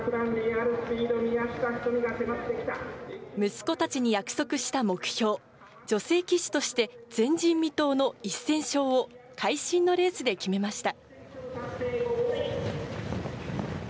息子たちに約束した目標、女性騎手として前人未到の１０００勝を、会心のレースで決めました。